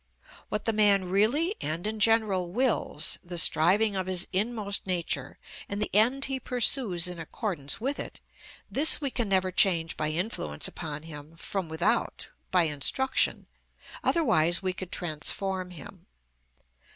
What the man really and in general wills, the striving of his inmost nature, and the end he pursues in accordance with it, this we can never change by influence upon him from without by instruction, otherwise we could transform him.